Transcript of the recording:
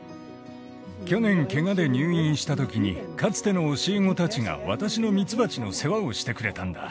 去年ケガで入院したときにかつての教え子たちが私のミツバチの世話をしてくれたんだ。